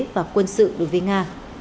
kinh tế và quân sự đối với nga